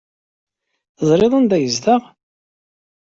Teẓriḍ anda ay yezdeɣ?